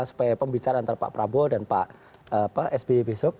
supaya pembicaraan antara pak prabowo dan pak sby besok